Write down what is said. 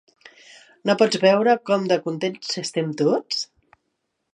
No pots veure com de contents estem tots?